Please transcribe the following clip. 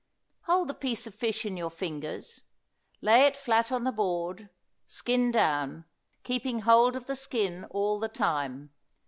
Hold the piece of fish in your fingers; lay it flat on the board, skin down, keeping hold of the skin all the time.